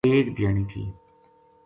ایک دھیانی تھی